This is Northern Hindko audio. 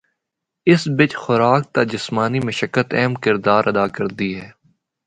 اس بچ خوراک تے جسمانی مشقت اہم کردار ادا کردی ہے۔